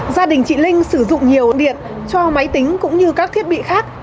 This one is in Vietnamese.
gia đình chị linh sử dụng nhiều điện cho máy tính cũng như các thiết bị khác